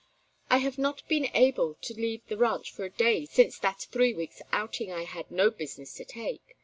I have not been able to leave the ranch for a day since that three weeks' outing I had no business to take.